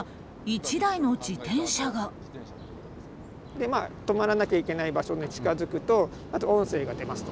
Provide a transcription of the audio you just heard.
でまあ止まらなきゃいけない場所に近づくとまず音声が出ますと。